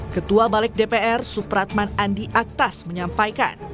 ketua balik dpr supratman andi aktas menyampaikan